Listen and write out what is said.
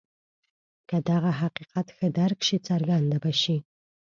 که دغه حقیقت ښه درک شي څرګنده به شي.